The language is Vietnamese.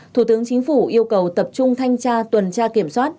thủ tướng chính phủ yêu cầu tập trung thanh tra tuần tra kiểm soát